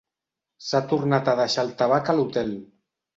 S'ha tornat a deixar el tabac a l'hotel.